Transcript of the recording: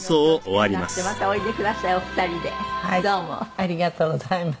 ありがとうございます。